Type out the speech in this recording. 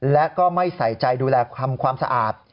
และก็ไม่ใส่ใจดูแลทำความสะอาด